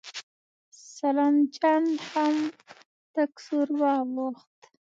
سلام جان هم تک سور واوښت.